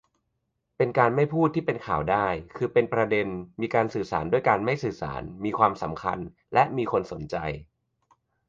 เป็นการ'ไม่พูด'ที่เป็นข่าวได้ คือเป็นประเด็น มีการสื่อสารด้วยการไม่สื่อสาร มีความสำคัญ และมีคนสนใจ